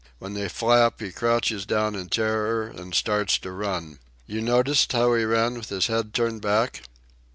When they flap, he crouches down in terror and starts to run. You noticed how he ran with his head turned back?"